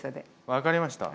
分かりました！